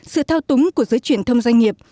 sự thao túng của giới truyền thông doanh nghiệp